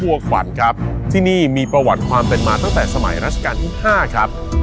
รวกวรรณครับที่ตรีนี่มีประวัติความเป็นมาสมัยที่๕ครับ